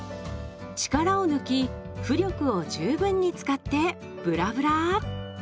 力を抜き浮力を十分に使ってぶらぶら。